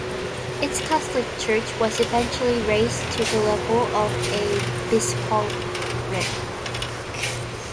Its Catholic church was eventually raised to the level of a bishopric.